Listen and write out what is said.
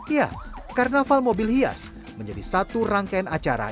ya karnaval mobil hias menjadi satu rangkaian acara